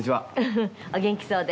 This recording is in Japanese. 「お元気そうで」